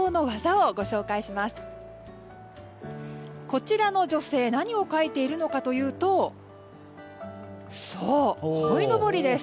こちらの女性何を描いているのかというとそう、こいのぼりです。